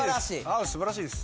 青素晴らしいです。